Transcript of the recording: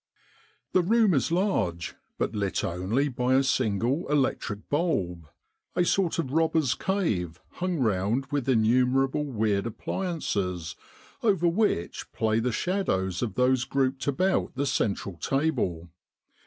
" The room is large, but lit only by a single electric bulb a sort of robber's cave hung round with innumerable weird appliances over which play the shadows of those grouped about the central table.